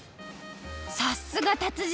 さっすが達人！